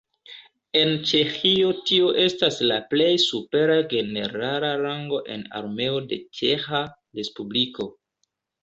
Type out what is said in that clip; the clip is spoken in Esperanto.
En Ĉeĥio tio estas la plej supera generala rango en Armeo de Ĉeĥa respubliko.